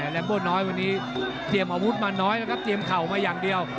แรมโบน้อยวันนี้เตรียมอาวุธมาน้อยนะครับเตรียมเข่ามาอย่างเดียว